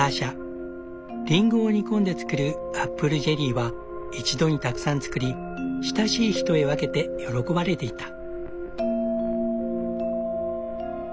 リンゴを煮込んで作るアップルジェリーは一度にたくさん作り親しい人へ分けて喜ばれていた。